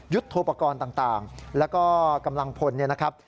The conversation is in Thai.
ยุทธ์โทปกรณ์ต่างแล้วก็กำลังพลนะครับ